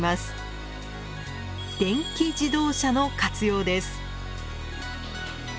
電気自動車の活用です。